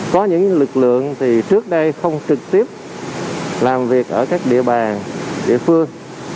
có những lực lượng thì trước đây không trực tiếp làm việc ở các địa bàn địa phương